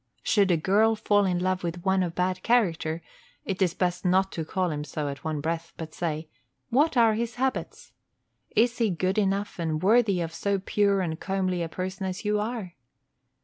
_ Should a girl fall in love with one of bad character, it is best not to call him so at one breath; but say, "What are his habits? Is he good enough and worthy of so pure and comely a person as you are?"